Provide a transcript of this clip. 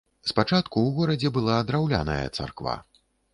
Спачатку ў горадзе была драўляная царква.